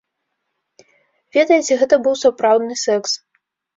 Ведаеце, гэта быў сапраўдны секс.